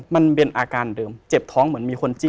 มันเป็นอาการเดิมเจ็บท้องเหมือนมีคนจี้